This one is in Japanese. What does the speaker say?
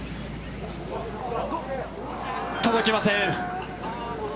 届きません。